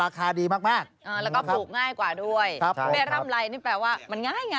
ไม่รำไรนี่แปลว่ามันง่าย